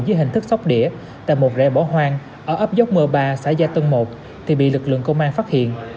với hình thức sóc đĩa tại một rè bỏ hoang ở ấp dốc m ba xã gia tân một thì bị lực lượng công an phát hiện